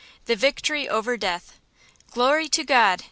THE VICTORY OVER DEATH. "Glory to God!